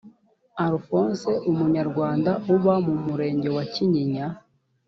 alphonse umunyarwanda uba mu murenge wa kinyinya